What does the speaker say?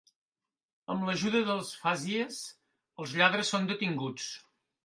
Amb l'ajuda dels Fuzzies, els lladres són detinguts.